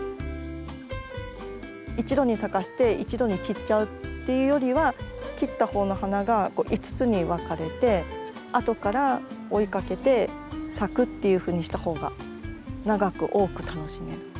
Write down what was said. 一度に咲かせて一度に切っちゃうっていうよりは切ったほうの花が５つに分かれてあとから追いかけて咲くっていうふうにしたほうが長く多く楽しめる。